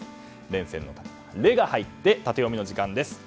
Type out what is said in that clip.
連戦の「レ」が入ってタテヨミの時間です。